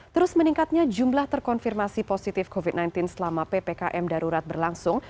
terus meningkatnya jumlah terkonfirmasi positif covid sembilan belas selama ppkm darurat berlangsung